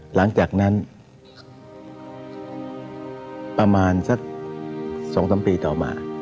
หลังจากนั้นประมาณสัก๒๓ปีต่อมา